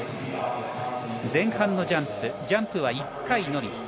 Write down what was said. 前半のジャンプジャンプは１回のみ。